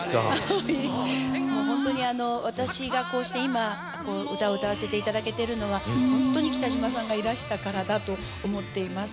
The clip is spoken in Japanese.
もうホントに私がこうして今歌を歌わせていただけてるのはホントに北島さんがいらしたからだと思っています。